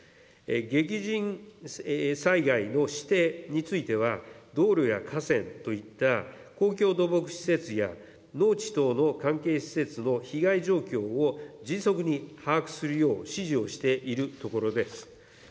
激甚災害の指定については、道路や河川といった、公共土木施設や、農地等の関係施設の被害状況を迅速に把握するよう指示をしているところです。